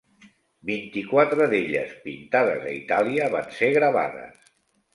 Vint-i-quatre d'elles, pintades a Itàlia, van ser gravades.